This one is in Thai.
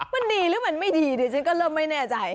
มันดีหรือมันไม่ดีดิฉันก็เริ่มไม่แน่ใจ